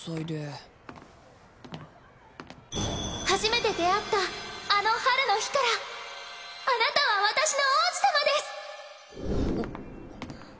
初めて出会ったあの春の日からあなたは私の王子様です！